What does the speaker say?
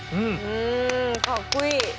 うんかっこいい。